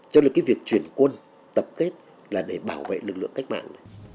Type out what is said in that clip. cho nên cái việc chuyển quân tập kết là để bảo vệ lực lượng cách mạng này